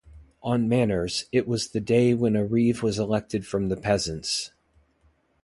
On manors, it was the day when a reeve was elected from the peasants.